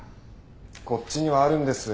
こっちにはあるんです